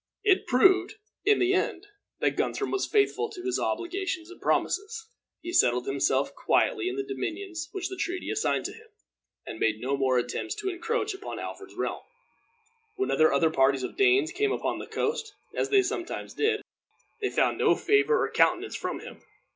It proved, in the end, that Guthrum was faithful to his obligations and promises. He settled himself quietly in the dominions which the treaty assigned to him, and made no more attempts to encroach upon Alfred's realm. Whenever other parties of Danes came upon the coast, as they sometimes did, they found no favor or countenance from him.